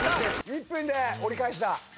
１分で折り返した。